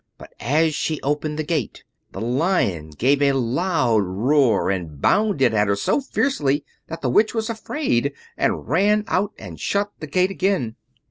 But as she opened the gate the Lion gave a loud roar and bounded at her so fiercely that the Witch was afraid, and ran out and shut the gate again.